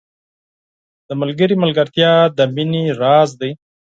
• د ملګري ملګرتیا د مینې راز دی.